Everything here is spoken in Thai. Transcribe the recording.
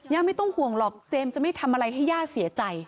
ไม่ต้องห่วงหรอกเจมส์จะไม่ทำอะไรให้ย่าเสียใจ